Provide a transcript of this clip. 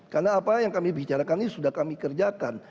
karena apa yang kami bicarakan ini sudah kami kerjakan